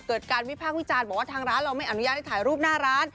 เกิดการวิพากษ์วิจารณ์บอกว่าทางร้านเราไม่อนุญาตให้ถ่ายรูปหน้าร้าน